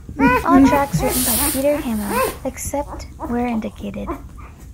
All tracks written by Peter Hammill, except where indicated.